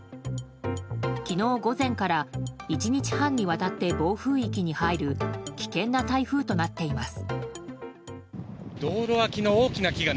昨日午前から１日半にわたって暴風域に入る危険な台風となっています。